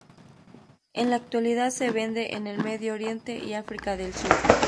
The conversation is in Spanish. En la actualidad se vende en el Medio Oriente y África del Sur.